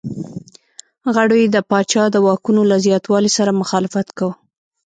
غړو یې د پاچا د واکونو له زیاتوالي سره مخالفت کاوه.